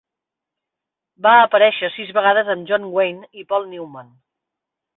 Va aparèixer sis vegades amb John Wayne i Paul Newman.